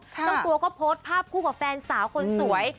เจ้าตัวก็โพสต์ภาพคู่กับแฟนสาวคนสวย